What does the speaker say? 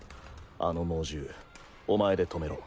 あの猛獣お前で止めろ。